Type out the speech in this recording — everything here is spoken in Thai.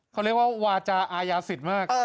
เขาเรียกว่าวาจาอายาศิษย์มาก